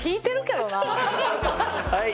はい。